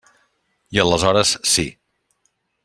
I aleshores sí.